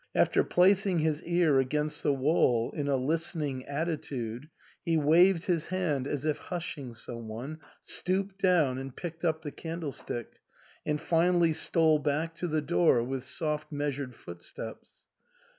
After placing his ear against the wall in a listening attitude, he waved his hand as if hushing some one, stooped down and picked up the candle stick, and finally stole back to the door with soft meas ured footsteps.